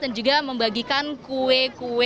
dan juga membagikan kue kue